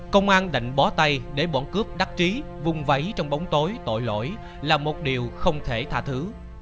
công an định bó tay để bọn cướp đắc trí vung vẫy trong bóng tối tội lỗi là một điều không thể tha thứ